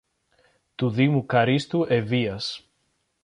του Δήμου Καρύστου Ευβοίας